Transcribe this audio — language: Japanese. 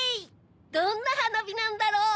どんなはなびなんだろう？